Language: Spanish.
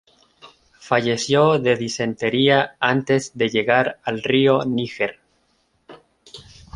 Falleció de disentería antes de llegar al río Niger.